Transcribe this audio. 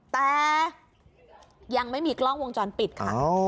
แต่ยังไม่มีกล้องวงจรปิดค่ะ